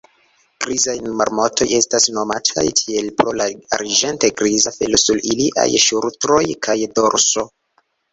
Grizaj marmotoj estas nomataj tiel pro la arĝente-griza felo sur iliaj ŝultroj kaj dorso.